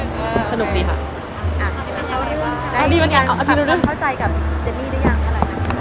อ่ะได้การเข้าใจกับเจมมี่ได้ยังเท่าไหร่นะ